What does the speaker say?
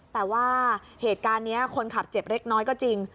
แต่ว่าเหตุการณ์นี้คนขับเจ็บเล็กน้อยก็จริง